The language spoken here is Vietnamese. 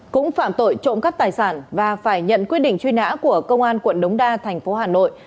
cũng phạm tội trộm cắt tài sản và phải nhận quyết định truy nã của công an tp đống đa hà nội